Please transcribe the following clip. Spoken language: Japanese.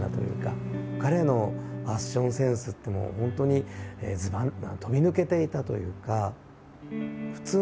彼のファッションセンスって本当に飛び抜けていたというか。